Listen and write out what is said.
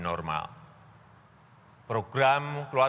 dan itu adalah satu hal yang harus kita lakukan